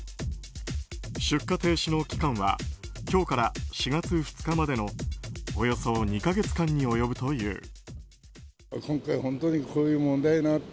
出荷停止の期間は今日から４月２日までのおよそ２か月間に及ぶという。